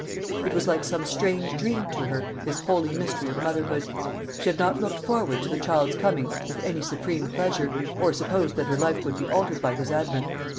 It was like some strange dream to her, this holy mystery of motherhood. She had not looked forward to the child's coming with any supreme pleasure, or supposed that her life would be altered by his advent.